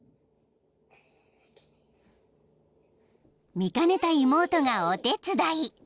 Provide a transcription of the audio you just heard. ［見かねた妹がお手伝い］